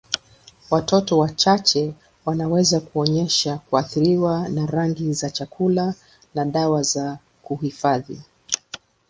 Watoto wachache wanaweza kuonyesha kuathiriwa na rangi za chakula na dawa za kuhifadhi.